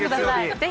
ぜひ。